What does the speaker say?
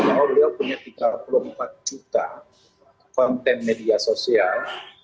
bahwa beliau punya tiga puluh empat juta konten media sosial